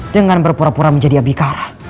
dengan berpura pura menjadi abikara